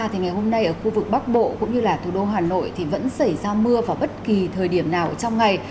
thì ngày hôm nay ở khu vực bắc bộ cũng như là thủ đô hà nội thì vẫn xảy ra mưa vào bất kỳ thời điểm nào trong ngày